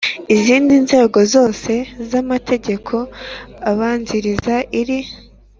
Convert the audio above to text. izindi ngingo zose z amategeko abanziriza iri